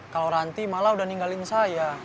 kalau ranti malah udah ninggalin saya